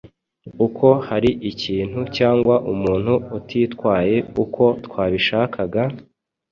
uko hari ikintu cyangwa umuntu utitwaye uko twabishakaga,